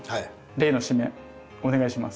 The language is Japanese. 例の締めお願いします！